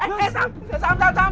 eh eh sam sam sam sam